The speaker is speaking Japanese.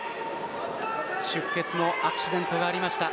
出血のアクシデントがありました。